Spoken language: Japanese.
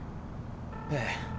ええ。